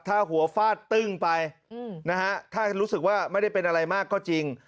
ถ้าหัวฟาดตึ้งไปนะฮะถ้ารู้สึกว่าไม่ได้เป็นอะไรมากก็จริง